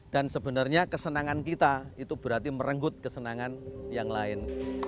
dan sebenarnya kesenangan kita itu berarti merenggut kesenangan yang lain